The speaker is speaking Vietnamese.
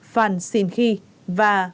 phan xìn khi và